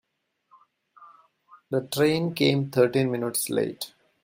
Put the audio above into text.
The train came thirteen minutes late.